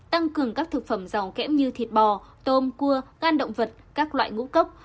tăng cường các thực phẩm giàu kém như thịt bò tôm cua gan động vật các loại ngũ cốc